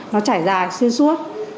nó trải dài xuyên suốt